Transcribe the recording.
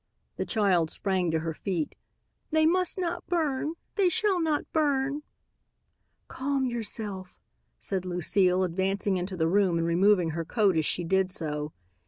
the child sprang to her feet. "They must not burn! They shall not burn!" "Calm yourself," said Lucile, advancing into the room and removing her coat as she did so.